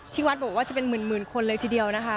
ที่วัดบอกว่าจะเป็นหมื่นคนเลยทีเดียวนะคะ